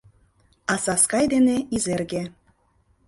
А Саскай дене Изерге